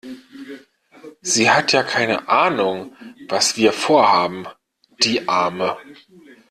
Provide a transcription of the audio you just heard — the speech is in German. Sie hat ja keine Ahnung was wir Vorhaben. Die Arme.